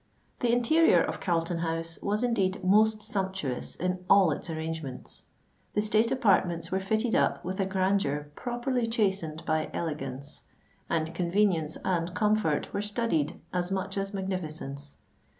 The interior of Carlton House was indeed most sumptuous in all its arrangements. The state apartments were fitted up with a grandeur properly chastened by elegance; and convenience and comfort were studied as much as magnificence.